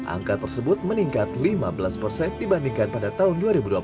angka tersebut meningkat lima belas persen dibandingkan pada tahun dua ribu dua puluh